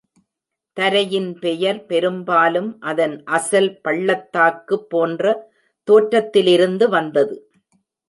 தரையின் பெயர் பெரும்பாலும் அதன் அசல் பள்ளத்தாக்கு போன்ற தோற்றத்திலிருந்து வந்தது.